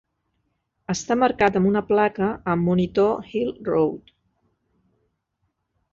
Està marcat amb una placa a Monitor Hill Road.